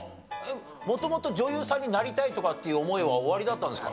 元々女優さんになりたいとかっていう思いはおありだったんですか？